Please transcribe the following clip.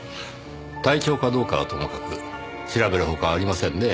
隊長かどうかはともかく調べるほかありませんねぇ。